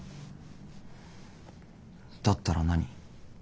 だったら何？